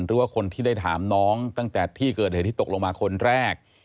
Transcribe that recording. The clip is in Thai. หรือว่าคนที่ได้ถามน้องตั้งแต่ที่เกิดเหตุที่ตกลงมาคนแรก